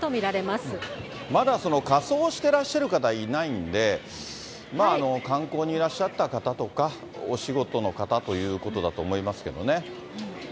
まだ仮装してらっしゃる方、いないんで、観光にいらっしゃった方とか、お仕事の方ということだと思いますけどね。